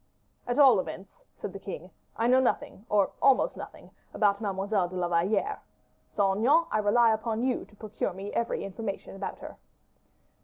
"At all events," said the king, "I know nothing, or almost nothing, about Mademoiselle de la Valliere. Saint Aignan, I rely upon you to procure me every information about her."